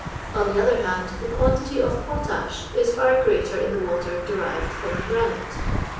"On the other hand, the quantity of potash is far greatest in the water derived from the granite.